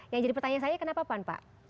yang jadi pertanyaan saya kenapa pan pak